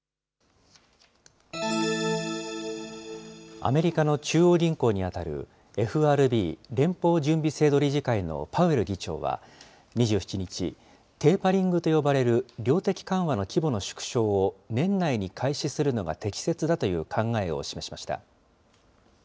アメリカの中央銀行に当たるＦＲＢ・連邦準備制度理事会のパウエル議長は２７日、テーパリングと呼ばれる量的緩和の規模の縮小を年内に開始するのが適切だという考えを示しました。